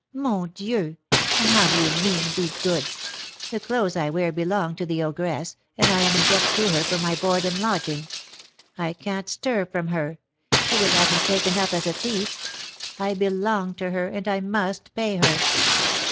mon Dieu! and how do you mean be good? The clothes I wear belong to the ogress, and I am in debt to her for my board and lodging. I can't stir from her; she would have me taken up as a thief. I belong to her, and I must pay her."